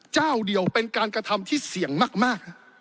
เจ้าเดียวเป็นการกระทำที่เสี่ยงมาก